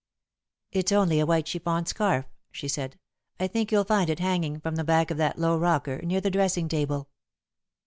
"It's only a white chiffon scarf," she said. "I think you'll find it hanging from the back of that low rocker, near the dressing table."